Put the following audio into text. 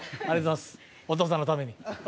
お父さんのために。